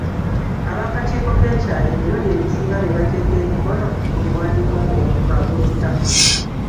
Ab'akakiiko k'ekyalo emirundi egisinga be bateeka emikono ku biwandiiko nga omuntu agula ettaka.